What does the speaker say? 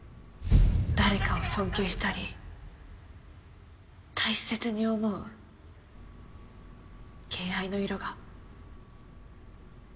誰かを尊敬したり大切に思う「敬愛」の色が。